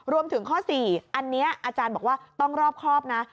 รวมถึงข้อ๔อันนี้อาจารย์บอกว่าต้องรอบครอบนะ